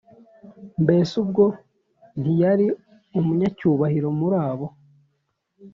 Mbese ubwo ntiyari umunyacyubahiro muri abo